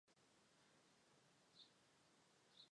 车站的名称来自其所在地拉德芳斯商业区。